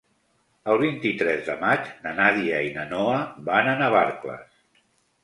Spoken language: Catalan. El vint-i-tres de maig na Nàdia i na Noa van a Navarcles.